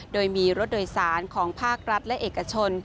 โดยมีรถโดยสารของภาครัฐและเอกชน